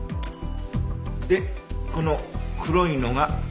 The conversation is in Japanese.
でこの黒いのが犯人。